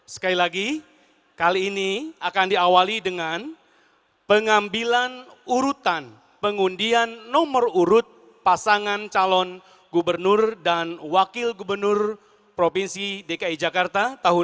sekali lagi kali ini akan diawali dengan pengambilan urutan pengundian nomor urut pasangan calon gubernur dan wakil gubernur provinsi dki jakarta tahun dua ribu dua puluh